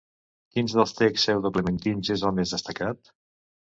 Quin dels texts pseudoclementins és el més destacat?